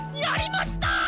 やりました！